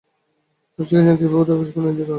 তাঁরা শিখেছেন কীভাবে দলকে সাফল্য এনে দিতে হয়।